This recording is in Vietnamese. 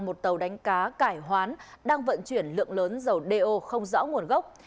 một tàu đánh cá cải hoán đang vận chuyển lượng lớn dầu đeo không rõ nguồn gốc